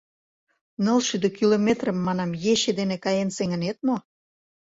— Нылшӱдӧ километрым, манам, ече дене каен сеҥынет мо?